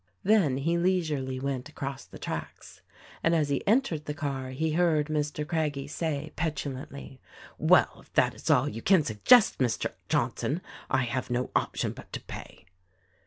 Then he leisurely went 1 62 THE RECORDING ANGEL across the tracks ; and as he entered the car he heard Mr. Craggie say petulantly, "Well, if that is all you can sug gest, Mr. Johnson, I have no option but to pay."